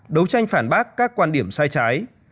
đấu tranh phản bác các quan điểm sai trái